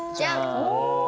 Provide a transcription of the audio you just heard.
お！